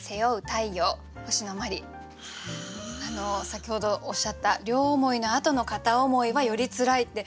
先ほどおっしゃった「両思いのあとの片思いはよりツラい」って